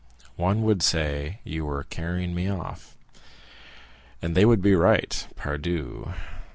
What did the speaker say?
One would say you were carrying me off." "And they would be right, _pardieu!